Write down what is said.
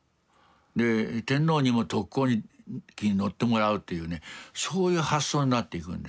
で天皇にも特攻機に乗ってもらうというねそういう発想になっていくんですね。